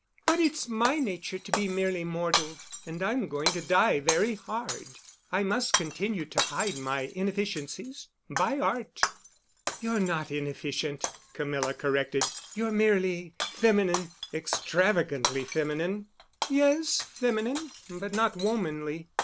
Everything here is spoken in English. "But it's my nature to be merely mortal—and I'm going to die very hard. I must continue to hide my inefficiencies—by Art." "You're not inefficient," Camilla corrected. "You're merely feminine—extravagantly feminine——" "Yes, feminine—but not womanly.